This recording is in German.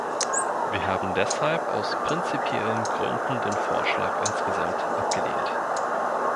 Wir haben deshalb aus prinzipiellen Gründen den Vorschlag insgesamt abgelehnt.